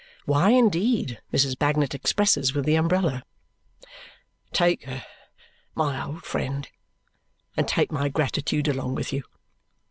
Why indeed, Mrs. Bagnet expresses with the umbrella. "Take her, my old friend, and take my gratitude along with you.